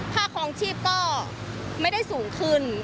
ค่าคลองชีพก็ไม่ได้สูงขึ้น